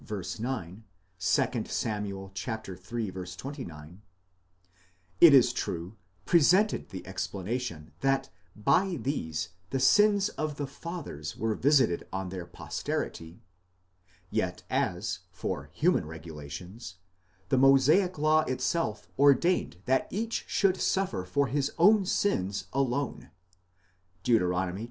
9; 2 Sam. iii. 29), it is true, presented the explanation that by these the sins of the fathers were visited on their posterity: yet as, for human regulations, the Mosaic law itself ordained that each should suffer for his own sins alone (Deut.